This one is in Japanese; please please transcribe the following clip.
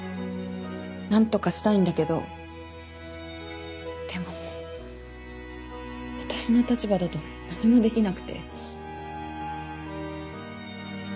何とかしたいんだけどでももう私の立場だと何もできなくて。